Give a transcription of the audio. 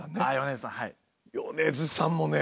米津さんもね！